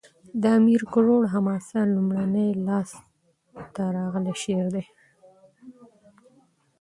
د امیر کروړ حماسه؛ لومړنی لاس ته راغلی شعر دﺉ.